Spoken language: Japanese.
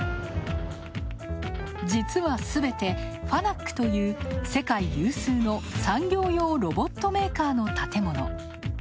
実は、すべて、ファナックという世界有数の産業用ロボットメーカーの建物。